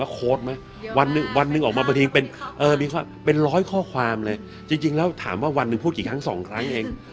มีโค้ดไหมวันหนึ่งออกมาเป็น๑๐๐ข้อความจริงแล้วถามว่าวันหนึ่งพูดกี่ครั้ง๒ครั้งเอง